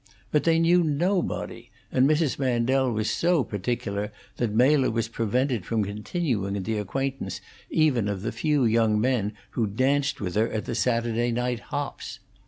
But they knew nobody, and Mrs. Mandel was so particular that Mela was prevented from continuing the acquaintance even of the few young men who danced with her at the Saturday night hops.